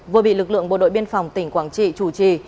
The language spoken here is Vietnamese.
vừa bị lực lượng bộ đội biên phòng tỉnh quảng trị chủ trì